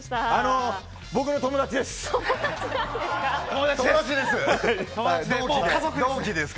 僕の友達です。